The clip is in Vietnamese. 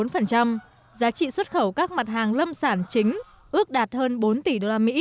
giá trị xuất khẩu các mặt hàng lâm sản chính ước đạt hơn bốn tỷ usd